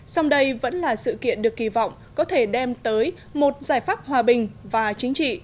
song đây vẫn là sự kiện được kỳ vọng có thể đem tới một giải pháp hòa bình và chính trị